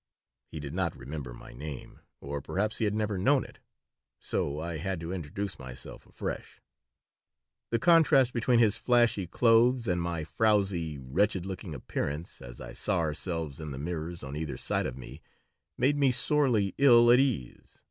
He did not remember my name, or perhaps he had never known it, so I had to introduce myself afresh. The contrast between his flashy clothes and my frowsy, wretched looking appearance, as I saw ourselves in the mirrors on either side of me, made me sorely ill at ease.